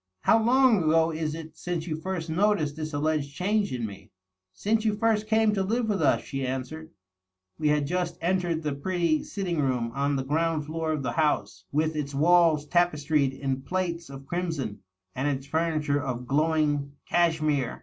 " How long ago is it since you first noticed this allied change in me?" " Since you first came to live with us," she answered. We had just entered the pretty sitting room on the ground floor of the house, with its walls tapestried in plaits of crimson and its furniture of glowing cachemire.